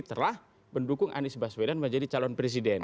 telah mendukung anies baswedan menjadi calon presiden